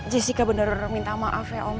jessica bener minta maaf ya om